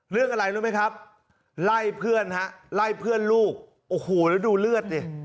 เรื่องอะไรรู้ไหมครับไล่เพื่อนฮะไล่เพื่อนลูกโอ้โหแล้วดูเลือดดิ